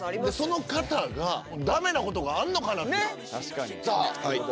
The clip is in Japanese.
でその方がだめなことがあんのかなと。